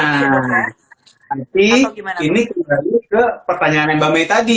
tapi ini kembali ke pertanyaan mbak may tadi